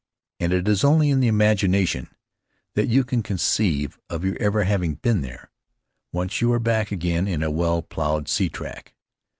And it is only in the imagination that you can conceive of your ever having been there, once you are back again in a well plowed sea track.